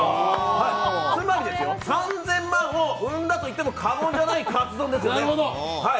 つまり３０００万を生んだといっても過言じゃないカツ丼ですよね。